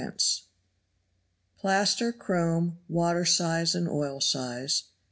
Plaster, chrome, water size and oil size, 3d.